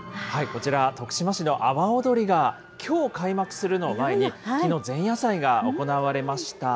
こちら、徳島市の阿波おどりがきょう開幕するのを前に、きのう、前夜祭が行われました。